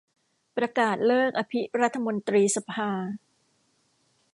ประกาศเลิกอภิรัฐมนตรีสภา